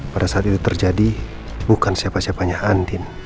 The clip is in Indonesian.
pada saat itu terjadi bukan siapa siapanya andin